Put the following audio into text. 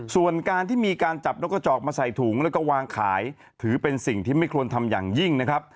ส่วนการที่มีการจับนกกระจอกมาใส่ถุงแล้วก็วางขายถือเป็นสิ่งที่ไม่ควรทำอย่างยิ่งนะครับ